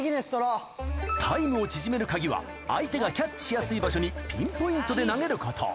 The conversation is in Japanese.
記録達成の鍵は相手がキャッチしやすい場所にピンポイントで投げること。